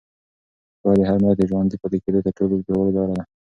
پوهه د هر ملت د ژوندي پاتې کېدو تر ټولو پیاوړې لاره ده.